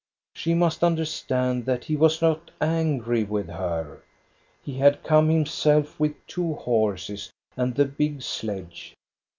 She must understand that he was not angry with her. He had come himself with two horses and the big sledge.